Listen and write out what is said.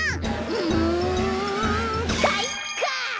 うんかいか！